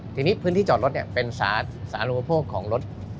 ทีนี้พื้นที่จอดรถเป็นสารุปโภคของรถ